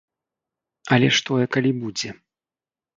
Але ж тое калі будзе.